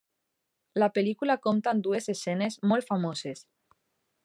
La pel·lícula compta amb dues escenes molt famoses.